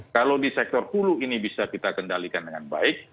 kalau di sektor hulu ini bisa kita kendalikan dengan baik